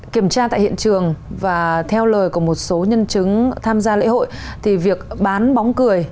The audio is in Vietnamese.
kiểm tra tại hiện trường và theo lời của một số nhân chứng tham gia lễ hội thì việc bán bóng cười